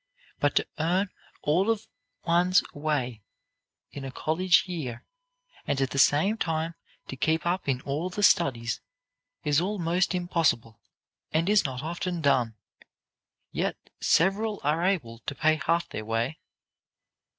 But to earn all of one's way in a college year, and at the same time to keep up in all the studies, is almost impossible, and is not often done. Yet several are able to pay half their way."